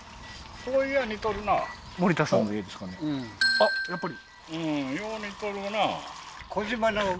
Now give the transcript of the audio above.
あっやっぱり？